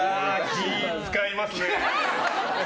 気を使いますね。